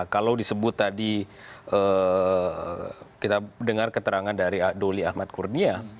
kalau disebut tadi kita dengar keterangan dari doli ahmad kurnia